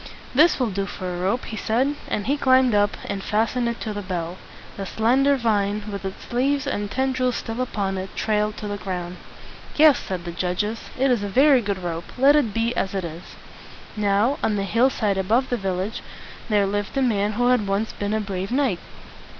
"This will do for a rope," he said; and he climbed up, and fastened it to the bell. The slender vine, with its leaves and ten drils still upon it, trailed to the ground. "Yes," said the judges, "it is a very good rope. Let it be as it is." Now, on the hill side above the village, there lived a man who had once been a brave knight.